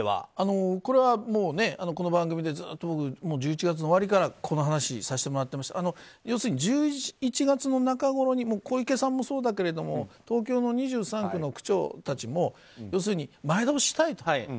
これは、この番組でずっと僕、１１月の終わりからこの話させてもらってましたけど要するに１１月の中ごろに小池さんもそうだけども東京の２３区の区長たちも前倒ししたいと。